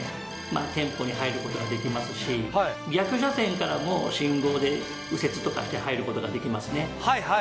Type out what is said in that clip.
店舗に入ることができますし逆車線からも信号で右折とかして入ることができますね